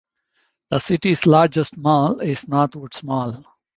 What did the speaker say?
The city's largest mall is Northwoods Mall.